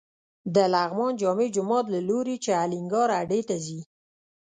د لغمان جامع جومات له لوري چې الینګار هډې ته ځې.